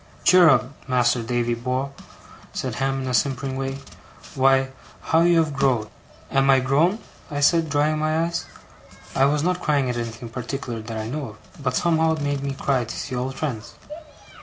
'Cheer up, Mas'r Davy bor'!' said Ham, in his simpering way. 'Why, how you have growed!' 'Am I grown?' I said, drying my eyes. I was not crying at anything in particular that I know of; but somehow it made me cry, to see old friends.